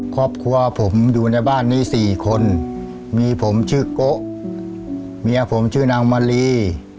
ครอบครัวผมอยู่ในบ้านนี้สี่คนมีผมชื่อโกะเมียผมชื่อนางมาลี